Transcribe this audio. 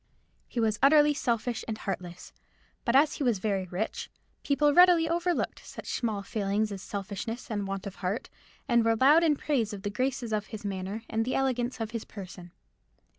He was utterly selfish and heartless. But as he was very rich, people readily overlooked such small failings as selfishness and want of heart, and were loud in praise of the graces of his manner and the elegance of his person.